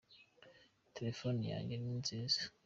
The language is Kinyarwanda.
telefone yanjye ninziza